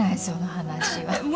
その話は。